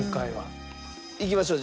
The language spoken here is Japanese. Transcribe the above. いきましょう。